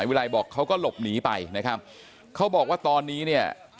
วิรัยบอกเขาก็หลบหนีไปนะครับเขาบอกว่าตอนนี้เนี่ย